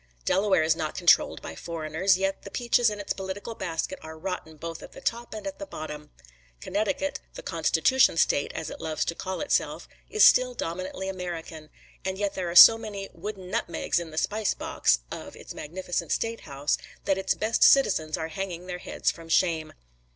Delaware is not controlled by foreigners, yet the peaches in its political basket are rotten both at the top and at the bottom. Connecticut, the "Constitution State" as it loves to call itself, is still dominantly American, and yet there are so many "wooden nutmegs" in the spice box of its magnificent State House that its best citizens are hanging their heads from shame.